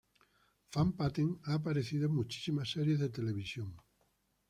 Van Patten ha aparecido en muchísimas series de televisión.